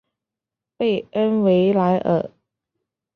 贝恩维莱尔。